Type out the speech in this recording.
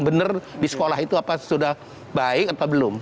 benar di sekolah itu apa sudah baik atau belum